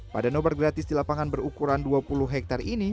pada nomor gratis di lapangan berukuran dua puluh hektare ini